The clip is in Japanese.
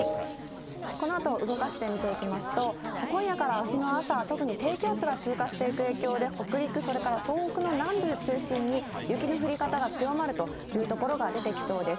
このあと動かして見ていきますと、今夜からあすの朝は、特に低気圧が通過していく影響で、北陸、それから東北の南部中心に、雪の降り方が強まるという所が出てきそうです。